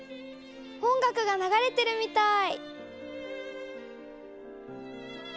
音楽が流れてるみたい。